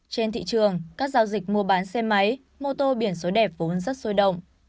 trên thị trường các giao dịch mua bán xe máy mô tô biển số đẹp vốn rất sôi động